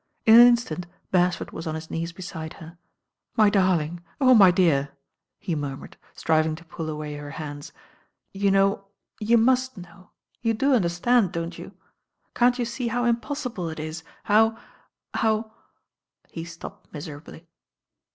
In an instant Beresford was on his knees beside her. "My dariing; oh my dearl" he murmured, striv ing to pull away her hands. "You know, you must know — ^you do understand, don't you? Can't you see how impossible it is, how— how " he stopped miserably.